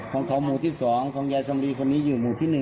ของเขามูลที่๒ของยายสัมฤที่คนนี้อยู่มูลที่๑